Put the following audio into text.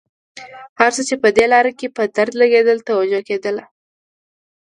هر څه چې په دې لاره کې په درد لګېدل توجه کېدله.